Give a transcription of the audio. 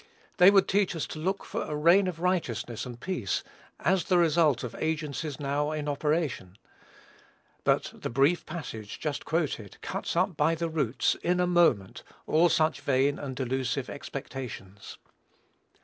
They would teach us to look for a reign of righteousness and peace, as the result of agencies now in operation; but the brief passage just quoted cuts up by the roots, in a moment, all such vain and delusive expectations.